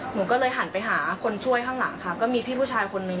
หนูก็เลยหันไปหาคนช่วยข้างหลังค่ะก็มีพี่ผู้ชายคนนึง